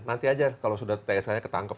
nanti saja kalau sudah tsi ketangkep